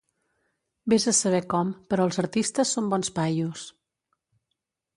Vés a saber com, però els artistes són bons paios.